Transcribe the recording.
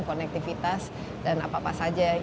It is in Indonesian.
konektivitas dan apa apa saja yang direncuri